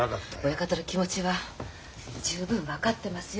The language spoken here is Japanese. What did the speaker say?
親方の気持ちは十分分かってますよ